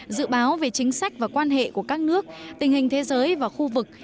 dự báo về chính sách và quan hệ của các nước tình hình thế giới và khu vực